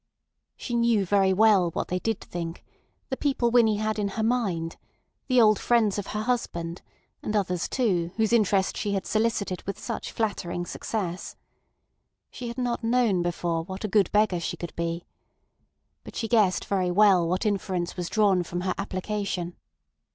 She knew very well what they did think, the people Winnie had in her mind—the old friends of her husband, and others too, whose interest she had solicited with such flattering success. She had not known before what a good beggar she could be. But she guessed very well what inference was drawn from her application.